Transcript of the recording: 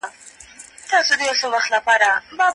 څنګه کولای سو د لمر او باد له انرژۍ ګټه واخلو؟